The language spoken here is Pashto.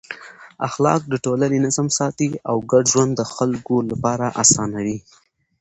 اخلاق د ټولنې نظم ساتي او ګډ ژوند د خلکو لپاره اسانوي.